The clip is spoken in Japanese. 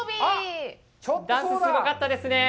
ダンスすごかったですね。